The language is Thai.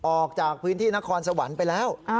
ออกจากพื้นที่นครสวรรค์ไปแล้ว